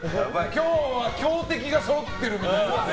今日は強敵がそろってるみたいですね。